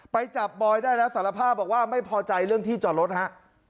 ไปจับบอยได้แล้วสารภาพบอกว่าไม่พอใจเรื่องที่จอดรถฮะ